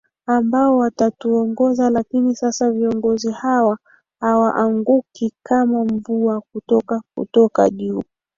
ambao watatuongoza lakini sasa viongozi hawa hawaaanguki kama mvua kutoka kutoka juu